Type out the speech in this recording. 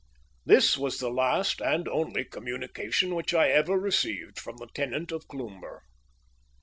This was the last and only communication which I ever received from the tenant of Cloomber.